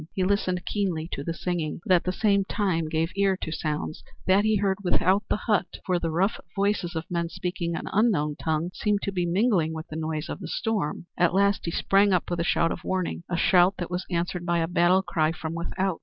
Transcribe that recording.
He listened keenly to the singing, but at the same time gave ear to sounds that he heard without the hut, for the rough voices of men speaking an unknown tongue seemed to be mingling with the noise of the storm. At last he sprang up with a shout of warning, a shout that was answered by a battle cry from without.